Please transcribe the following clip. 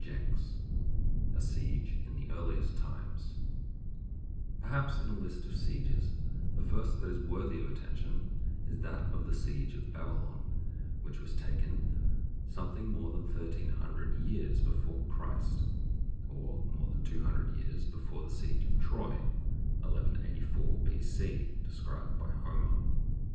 A SIEGE IN THE EARLIEST TIMES PERHAPS in a list of sieges the first that is worthy of attention is that of the siege of Babylon, which was taken something more than thirteen hundred years before Christ, or more than two hundred years before the siege of Troy (1184 B.C.) described by Homer.